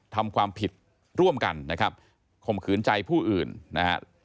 ทำความผิดร่วมกันนะครับข่มขืนใจผู้อื่นนะฮะ